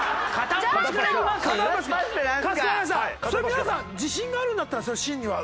皆さん自信があるんだったら審議は。